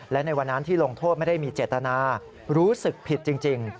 และในวันนั้นที่ลงโทษไม่ได้มีเจตนารู้สึกผิดจริง